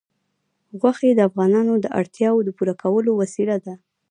غوښې د افغانانو د اړتیاوو د پوره کولو وسیله ده.